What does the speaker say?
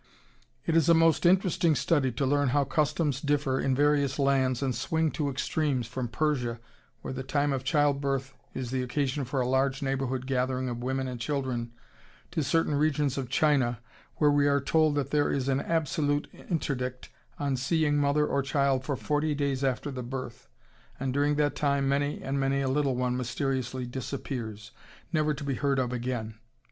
It is a most interesting study to learn how customs differ in various lands and swing to extremes, from Persia, where the time of childbirth is the occasion for a large neighborhood gathering of women and children, to certain regions of China, where we are told that there is an absolute interdict on seeing mother or child for forty days after the birth, and during that time many and many a little one mysteriously disappears, never to be heard of again.